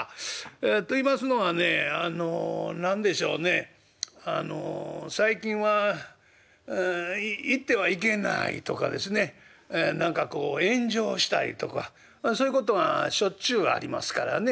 といいますのはね何でしょうね最近は言ってはいけないとかですね何かこう炎上したりとかそういうことがしょっちゅうありますからね。